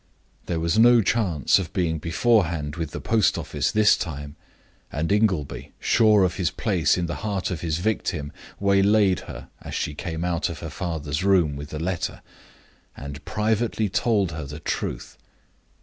There was no chance of being beforehand with the post office this time; and Ingleby, sure of his place in the heart of his victim, waylaid her as she came out of her father's room with the letter, and privately told her the truth.